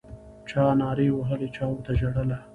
چا نارې وهلې چا ورته ژړله